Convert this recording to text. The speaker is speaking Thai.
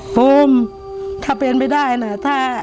ภูมิถ้าเป็นไม่ได้นะ